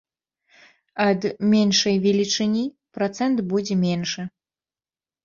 Ад меншай велічыні працэнт будзе меншы.